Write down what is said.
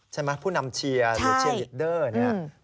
ใช่ไหมผู้นำเชียร์หรือเชียร์มิดเดอร์นี่